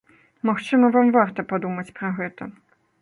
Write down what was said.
Магчыма, вам варта падумаць пра гэта.